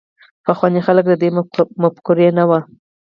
پخواني خلک د دې مفکورې نه وو.